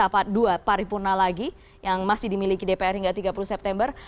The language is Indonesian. dapat dua pari purna lagi yang masih dimiliki dpr hingga tiga puluh september